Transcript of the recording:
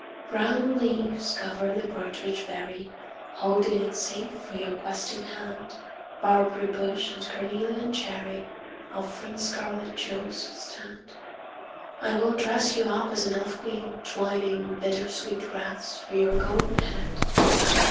Brown leaves cover the partridge berry, \ Holding it safe for your questing hand. Barberry bush and cornelian cherry Offering scarlet jewels stand. I will dress you up as an elf queen, twining Bittersweet wreaths for your golden head.